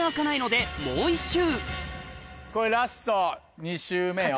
これラスト２周目よ。